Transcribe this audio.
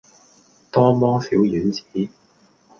多芒小丸子